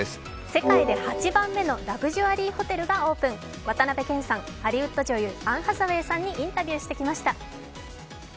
世界で８番目のラグジュアリーホテルがオープン、渡辺謙さん、ハリウッド女優、アン・ハサウェイさんにインタビューしてきました。